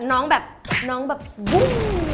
น้องแบบน้องแบบบุ้ง